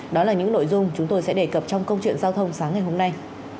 đó là những nội dung chúng tôi sẽ đề cập trong câu chuyện giao thông sáng ngày hôm nay